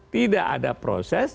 tidak ada proses